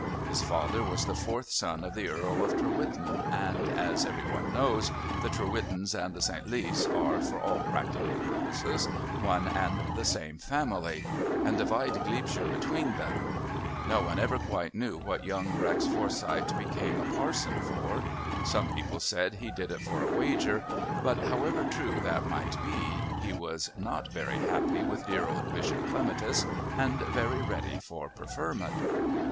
His father was the fourth son of the Earl of Trewithen, and, as every one knows, the Trewithens and the St. Leaths are, for all practical purposes, one and the same family, and divide Glebeshire between them. No one ever quite knew what young Rex Forsyth became a parson for. Some people said he did it for a wager; but however true that might be, he was not very happy with dear old Bishop Clematis and very ready for preferment.